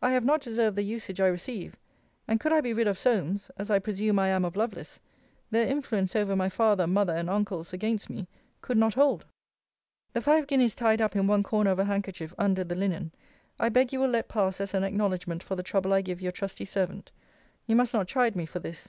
I have not deserved the usage I receive: and could I be rid of Solmes, as I presume I am of Lovelace, their influence over my father, mother, and uncles, against me, could not hold. The five guineas tied up in one corner of a handkerchief under the linen, I beg you will let pass as an acknowledgement for the trouble I give your trusty servant. You must not chide me for this.